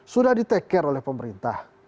sudah diteker oleh pemerintah